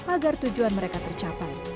agar tujuan mereka tercapai